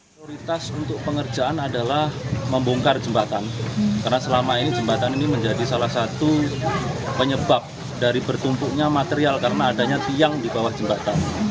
prioritas untuk pengerjaan adalah membongkar jembatan karena selama ini jembatan ini menjadi salah satu penyebab dari bertumpuknya material karena adanya tiang di bawah jembatan